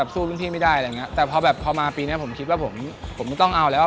สู้ริ่งที่ไม่ได้แต่พอมาปีนี้ผมคิดว่าผมต้องเอาแล้ว